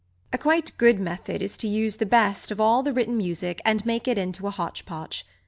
A quite good method is to use the best of all the written music and make it into a hotch potch.